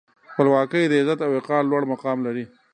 خپلواکي د عزت او وقار لوړ مقام لري.